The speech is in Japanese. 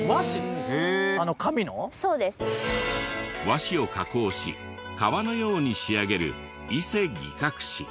和紙を加工し革のように仕上げる伊勢擬革紙。